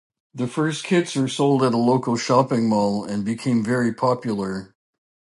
The first kits were sold at a local shopping mall and became very popular.